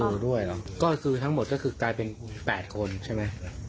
ด้วยเหรอก็คือทั้งหมดก็คือกลายเป็น๘คนใช่ไหม